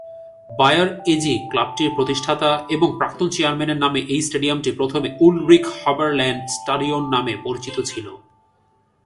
Buyer AG ক্লাবটির প্রতিষ্ঠাতা এবং প্রাক্তন চেয়ারম্যানের নামে এই স্টেডিয়ামটি প্রথমে "উলরিখ-হাবারলান্ড-স্টাডিওন" নামে পরিচিত ছিল।